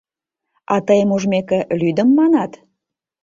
А, тыйым ужмеке, лӱдым, манат?